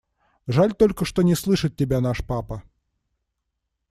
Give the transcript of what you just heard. Жаль только, что не слышит тебя наш папа.